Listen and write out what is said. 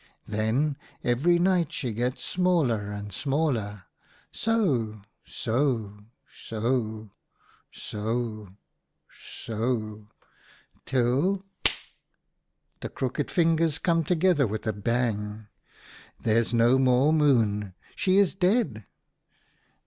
Then every night she gets smaller and smaller, so — so — so — so — so till clap !"— the crooked fingers come to gether with a bang — "there's no more Moon: she is dead.